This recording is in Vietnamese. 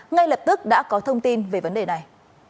ngay lập tức đã có thông tin về vấn đề này